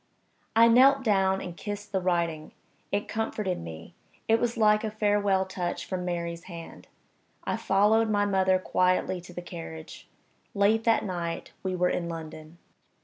I knelt down and kissed the writing. It comforted me it was like a farewell touch from Mary's hand. I followed my mother quietly to the carriage. Late that night we were in London.